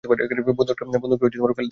বন্দুকটা ফেলে দে।